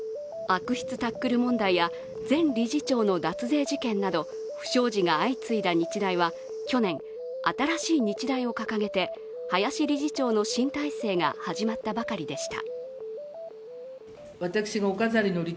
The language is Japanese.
悪質タックル問題や前理事長の脱税事件など不祥事が相次いだ日大は去年、新しい日大を掲げて林理事長の新体制が始まったばかりでした。